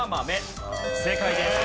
正解です。